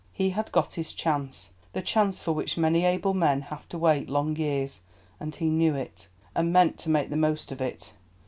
He had got his chance, the chance for which many able men have to wait long years, and he knew it, and meant to make the most of it.